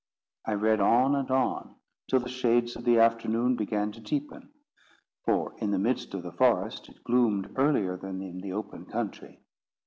I read on and on, till the shades of the afternoon began to deepen; for in the midst of the forest it gloomed earlier than in the open country.